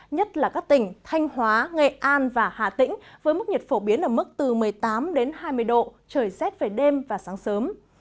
nhất là các tỉnh thanh hóa nghệ an và hà tĩnh với mức nhiệt phổ biến ở mức từ một mươi tám đến hai mươi độ trời rét về đêm và sáng sớm